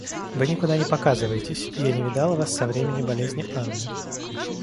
Вы никуда не показываетесь, и я не видала вас со времени болезни Анны.